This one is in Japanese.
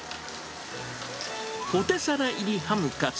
ポテサラ入りハムカツ。